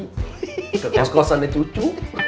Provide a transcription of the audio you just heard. ke kos kosan di cucu